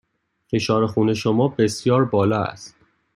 فشار خون شما بسیار بالا است.